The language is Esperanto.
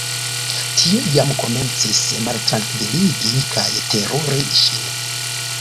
Tio jam komencis maltrankviligi kaj teruri ŝin.